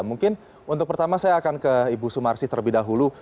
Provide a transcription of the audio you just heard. mungkin untuk pertama saya akan ke ibu sumarsi terlebih dahulu